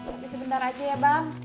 lebih sebentar aja ya bang